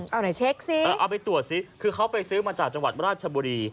เอาไหนเช็คสิเอาไปตรวจซิคือเขาไปซื้อมาจากจังหวัดราชบุรี